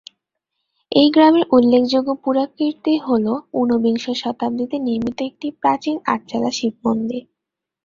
এই গ্রামের উল্লেখযোগ্য পুরাকীর্তি হল ঊনবিংশ শতাব্দীতে নির্মিত একটি প্রাচীন আটচালা শিবমন্দির।